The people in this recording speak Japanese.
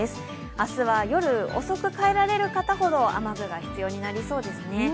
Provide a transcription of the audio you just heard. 明日は夜遅く帰られる方ほど、雨具が必要になりそうですね。